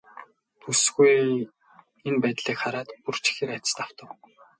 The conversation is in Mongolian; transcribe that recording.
Бүсгүй энэ байдлыг хараад бүр ч ихээр айдаст автав.